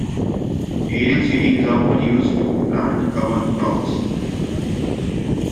Aerial seeding is also often used to plant cover crops.